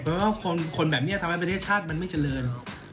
เพราะว่าคนแบบนี้ทำให้ประเทศชาติมันไม่เจริญ